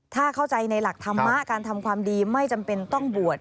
ถ้าเข้าใจในหลักธรรมะการทำความดีไม่จำเป็นต้องบวช